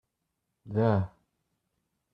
Dah.